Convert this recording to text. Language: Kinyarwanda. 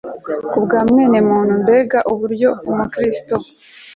kubwa mwenemuntu Mbega uburyo Umukristo